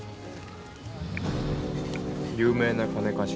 有名な金貸し。